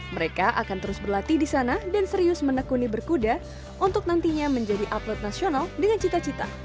mereka akan terus berlatih di sana dan serius menekuni berkuda untuk nantinya menjadi atlet nasional dengan cita cita